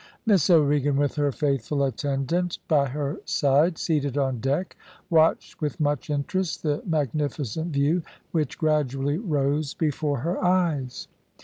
Miss O'Regan, with her faithful attendant by her side, seated on deck, watched with much interest the magnificent view which gradually rose before her eyes.